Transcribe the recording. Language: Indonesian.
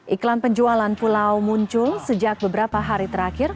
iklan penjualan pulau muncul sejak beberapa hari terakhir